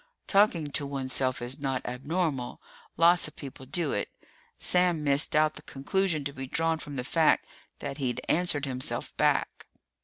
Talking to oneself is not abnormal. Lots of people do it. Sam missed out the conclusion to be drawn from the fact that he'd answered himself back.